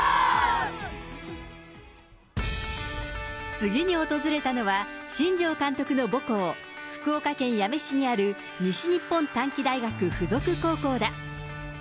次に訪れたのは、新庄監督の母校、福岡県八女市にある西日本短期大学附属高校だ。